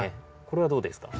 これはどうですか？